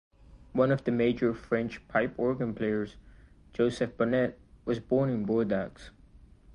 One of the major French pipe organ players, Joseph Bonnet was born in Bordeaux.